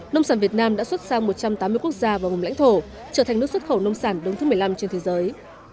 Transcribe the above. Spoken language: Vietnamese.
nông sản việt nam đã xuất sang một trăm tám mươi quốc gia và vùng lãnh thổ trở thành nước xuất khẩu nông sản đứng thứ một mươi năm trên thế giới